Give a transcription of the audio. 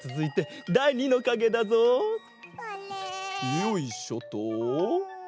よいしょと。